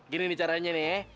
gini nih caranya nih